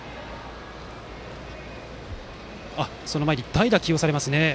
代打が起用されます。